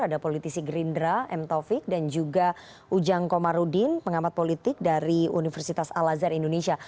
ada politisi gerindra m taufik dan juga ujang komarudin pengamat politik dari universitas al azhar indonesia